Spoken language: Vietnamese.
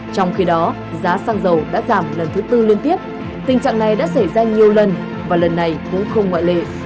trong khi đó giá xăng dầu đã giảm lần thứ tư liên tiếp tình trạng này đã xảy ra nhiều lần và lần này cũng không ngoại lệ